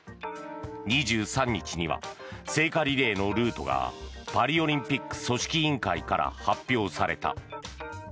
２３日には聖火リレーのルートがパリオリンピック組織委員会から発表された。